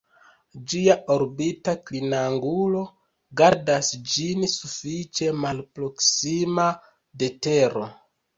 Ĝia orbita klinangulo gardas ĝin sufiĉe malproksima de Tero.